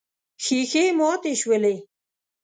ښيښې ماتې شولې.